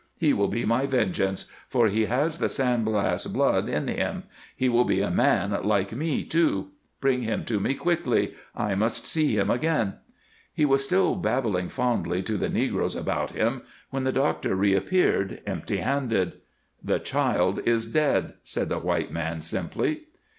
He will be my vengeance, for he has the San Blas blood in him; he will be a man like me, too. Bring him to me quickly; I must see him again." He was still babbling fondly to the negroes about him when the doctor reappeared, empty handed. "The child is dead," said the white man, simply.